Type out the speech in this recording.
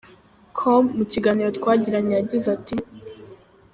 com Mu kiganiro twagiranye yagize ati,.